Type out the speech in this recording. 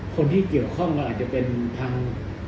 คนที่เกี่ยวข้องก็อาจจะเป็นทาง